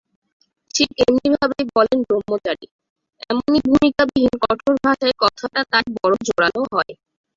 ঠিক এমনিভাবেই বলেন ব্রহ্মচারী, এমনি ভূমিকাবিহীন কঠোর ভাষায় কথাটা তাই বড় জোরালো হয়।